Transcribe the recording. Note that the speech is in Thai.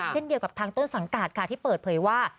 เช่นเดียวกับทางต้นสังกัดค่ะที่เปิดเผยว่า